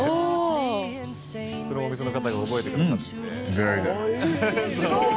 そのお店の方が覚えてくださってて。